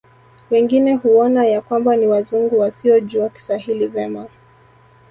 Wengine huona ya kwamba ni Wazungu wasiojua Kiswahili vema